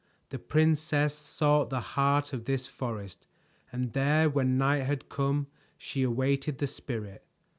The princess sought the heart of this forest, and there when night had come she awaited the Spirit.